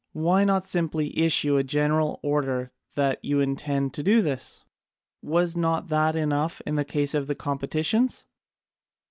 Why not simply issue a general order that you intend to do this? Was not that enough in the case of the competitions?"